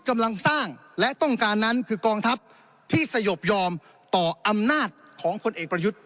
กำลังสร้างและต้องการนั้นคือกองทัพที่สยบยอมต่ออำนาจของพลเอกประยุทธ์